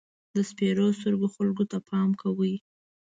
د سپېرو سترګو خلکو ته پام کوه.